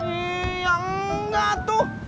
iya enggak tuh